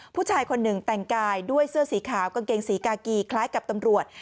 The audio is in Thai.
ผู้ชายคนหนึ่งแต่งกายด้วยเสื้อสีขาวกางเกงสีกากีคล้ายกับตำรวจ